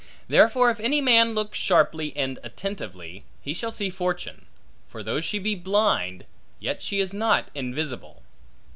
Therefore if a man look sharply and attentively, he shall see Fortune: for though she be blind, yet she is not invisible.